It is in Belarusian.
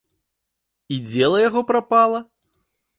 І дзела яго прапала?